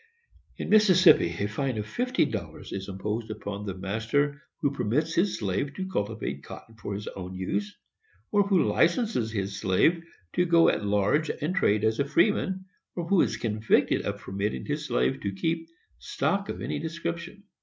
] In Mississippi a fine of fifty dollars is imposed upon the master who permits his slave to cultivate cotton for his own use; or who licenses his slave to go at large and trade as a freeman; or who is convicted of permitting his slave to keep "stock of any description."